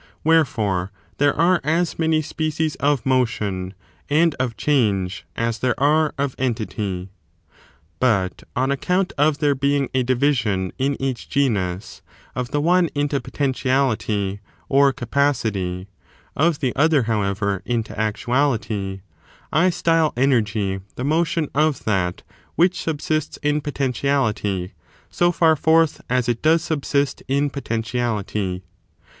Wherefore, there are as many species of motion and of change as there are of entity. 2. Motion. But on account of there being a division in fiflSd'in refer ®®^^ genus, of the one into potentiality or capa ence to energy, city, of the other, howover, into actuality, I aecaaiuy,?vTc sfyle energy the motion of that which subsists in ^x«'« potentiality, so fer forth as it does subsist in potentiality.